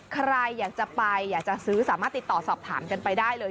ใครอยากจะไปอยากจะซื้อสามารถติดต่อสอบถามกันไปได้เลย